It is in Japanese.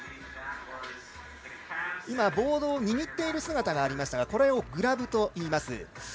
ボードを握っている姿がありましたがこれをグラブといいます。